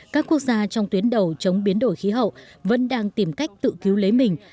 các quốc gia trong tuyến đầu chống biến đổi khí hậu vẫn đang tìm cách tự cứu lấy mình